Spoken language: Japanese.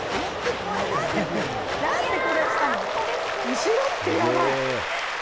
後ろってやばい！